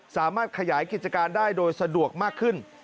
สามารถขยายกิจการได้โดยสะดวกมากขึ้น